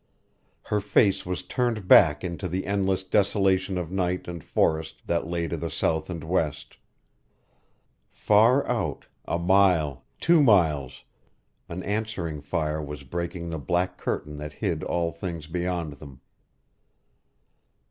Her face was turned back into the endless desolation of night and forest that lay to the south and west. Far out a mile two miles an answering fire was breaking the black curtain that hid all things beyond them.